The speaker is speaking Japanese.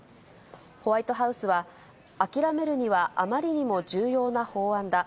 ホワイトハウスは、諦めるにはあまりにも重要な法案だ。